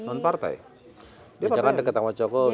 nonpartai dia kan deket sama jokowi